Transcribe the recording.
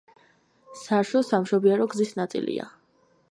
საშო სამშობიარო გზის ნაწილია.